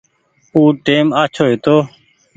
او ٽيم آڇو هيتو۔